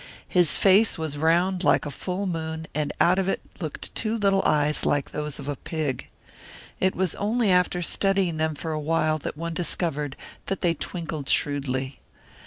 His face was round like a full moon, and out of it looked two little eyes like those of a pig. It was only after studying them for a while that one discovered that they twinkled shrewdly.